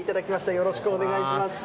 よろしくお願いします。